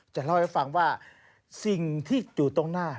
จะเล่าให้ฟังว่าสิ่งที่อยู่ตรงหน้า